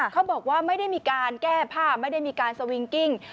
เขาบอกว่าไม่ได้มีการแก้ผ้าไม่ได้มีการสวิงกิ้ง